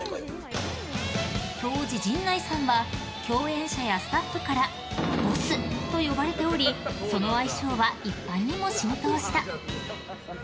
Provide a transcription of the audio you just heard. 当時、陣内さんは共演者やスタッフからボスと呼ばれており、その愛称は一般にも浸透した。